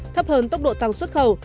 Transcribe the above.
thấp hơn tốc độ tăng xuất khẩu